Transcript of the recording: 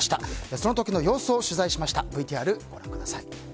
その時の様子を取材しました。